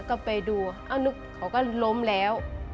แล้วก็ไปดูเขาก็ล้มแล้ว